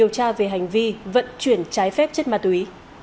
ra về hành vi vận chuyển trái phép chất ma túy